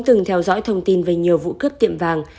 từng theo dõi thông tin về nhiều vụ cướp tiệm vàng